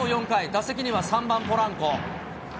４回、打席には３番ポランコ。